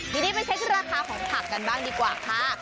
ทีนี้ไปเช็คราคาของผักกันบ้างดีกว่าค่ะ